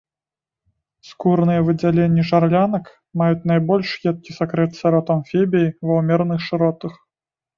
Скурныя выдзяленні жарлянак маюць найбольш едкі сакрэт сярод амфібій ва ўмераных шыротах.